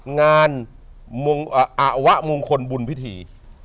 งานอาวะมงคลบุญพิธี